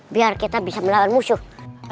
biar kita bisa melawan musuh